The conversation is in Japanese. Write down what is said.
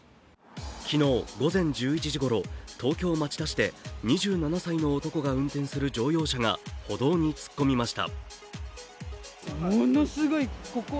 昨日午前１１時ごろ、東京・町田市で２７歳の男が運転する乗用車が歩道に突っ込みました。